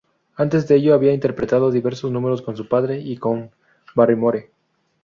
Antes de ello había interpretado diversos números con su padre y con Barrymore.